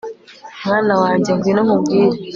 mwana wanjye ngwino nkubwire